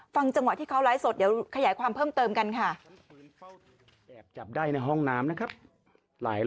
ฟังจังหวะที่เขาไลฟ์สดเดี๋ยวขยายความเพิ่มเติมกันค่ะ